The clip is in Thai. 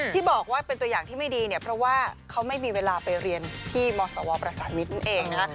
ที่บอกว่าเป็นตัวอย่างที่ไม่ดีเนี่ยเพราะว่าเขาไม่มีเวลาไปเรียนที่มศวประสานมิตรนั่นเองนะคะ